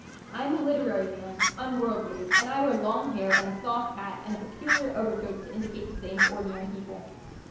I am a literary man, unworldly, and I wear long hair and a soft hat and a peculiar overcoat to indicate the same to ordinary people.